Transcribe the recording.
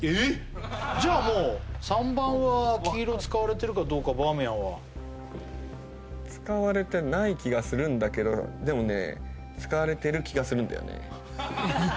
えっじゃあもう３番は黄色使われてるかどうかバーミヤンは使われてない気がするんだけどでもね使われてる気がするんだよね